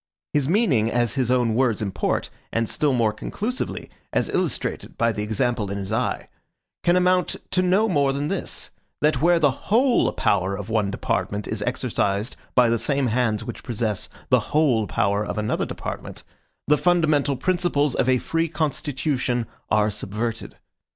His meaning, as his own words import, and still more conclusively as illustrated by the example in his eye, can amount to no more than this, that where the WHOLE power of one department is exercised by the same hands which possess the WHOLE power of another department, the fundamental principles of a free constitution are subverted.